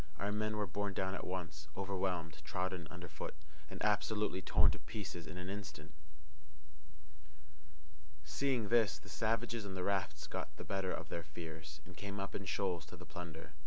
Our men were borne down at once, overwhelmed, trodden under foot, and absolutely torn to pieces in an instant. Seeing this, the savages on the rafts got the better of their fears, and came up in shoals to the plunder.